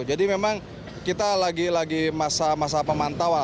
jadi memang kita lagi lagi masa masa pemantauan